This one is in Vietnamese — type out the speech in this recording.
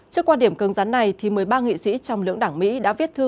trước quan điểm cưng rắn này một mươi ba nghị sĩ trong lưỡng đảng mỹ đã viết thư